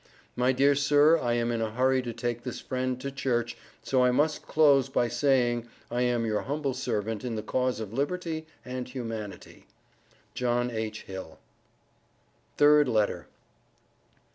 My dear sir I am in a hurry to take this friend to church, so I must close by saying I am your humble servant in the cause of liberty and humanity. JOHN H. HILL. THIRD LETTER.